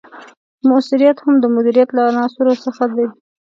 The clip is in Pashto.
مؤثریت هم د مدیریت له عناصرو څخه دی.